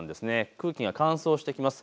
空気が乾燥してきます。